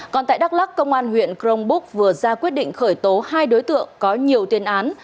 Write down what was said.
còn tại đắk lắc công an huyện cronbúc vừa ra quyết định khởi tố hai đối tượng có nhiều tiên án